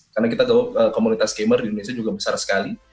karena kita komunitas gamer di indonesia juga besar sekali